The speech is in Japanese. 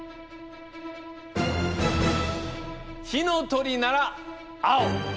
「火の鳥」なら青。